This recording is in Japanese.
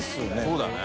そうだね。